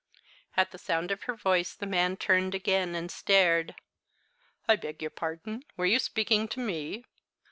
At the sound of her voice the man turned again, and stared. "I beg your pardon. Were you speaking to me?"